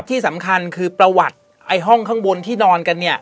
ที่สำคัญคือประวัติไอ้ห้องข้างบนที่นอนกันเนี่ย